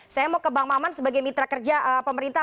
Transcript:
saya mau ke bang maman sebagai mitra kerja pemerintah